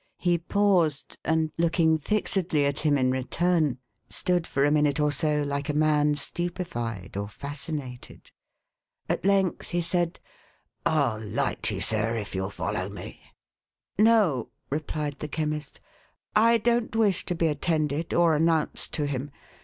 He paused ; and looking fixedly at him in return, stood for a minute or so, like a man stupefied, or fascinated. At length he said, " I'll light you, sir, if you'll follow me." " No," replied the Chemist, " I don't wish to be attended, or announced to him.